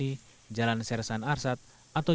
dengan menyisir sejumlah kendaraan